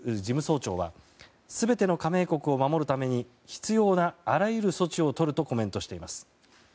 事務総長は全ての加盟国を守るために必要なあらゆる措置をとるとコメントしています。